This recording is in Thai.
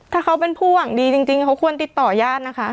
ถ้าเขาเป็นผู้หวังดีจริงเขาควรติดต่อญาตินะคะ